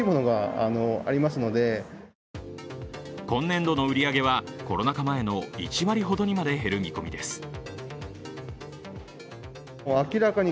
今年度の売り上げはコロナ禍前の１割ほどにまで減る見込みです。